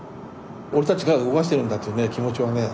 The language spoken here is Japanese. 俺たちが動かしてるんだというね気持ちはね